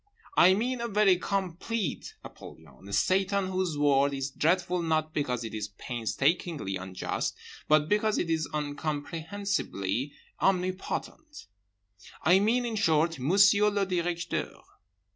I mean a very complete Apollyon, a Satan whose word is dreadful not because it is painstakingly unjust, but because it is incomprehensibly omnipotent. I mean, in short, Monsieur le Directeur.